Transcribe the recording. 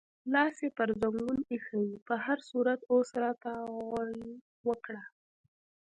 لاس یې پر زنګون ایښی و، په هر صورت اوس راته غورې وکړه.